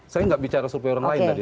saya nggak bicara survei orang lain tadi